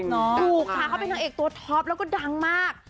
ถูกค่ะเขาเป็นนางเอกตัวท็อปแล้วก็ดังมาก